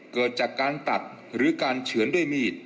เกิดจากการตัดหรือการเฉือนด้วยมีด